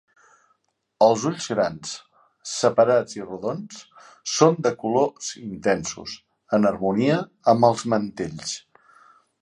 Els ulls grans, separats i rodons, són de colors intensos, en harmonia amb els mantells.